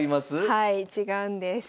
はい違うんです。